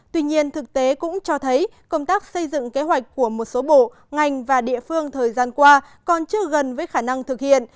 tuy nhiên thực tế cũng cho thấy công tác xây dựng kế hoạch của một số bộ ngành và địa phương thời gian qua còn chưa gần với khả năng thực hiện